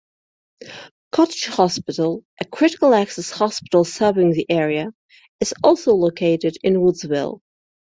Cottage Hospital, a critical-access hospital serving the area, is also located in Woodsville.